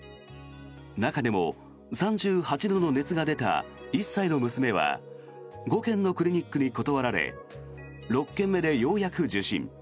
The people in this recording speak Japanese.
中でも３８度の熱が出た１歳の娘は５軒のクリニックに断られ６軒目でようやく受診。